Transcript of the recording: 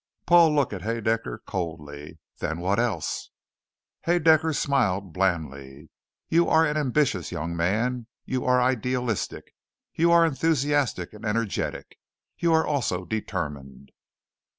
Paul looked at Haedaecker coldly. "Then what else?" Haedaecker smiled blandly. "You are an ambitious young man. You are idealistic. You are enthusiastic and energetic. You are also determined."